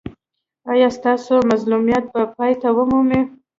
ایا ستاسو مظلومیت به پای ومومي؟